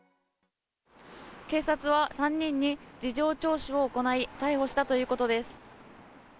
警察は３人に事情聴取を行い逮捕したということです。